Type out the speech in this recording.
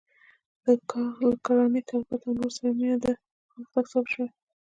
له کرانې، طبابت او نورو سره مینه یې د پرمختګ سبب شوې ده.